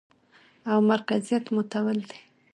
او مرکزيت ماتول دي،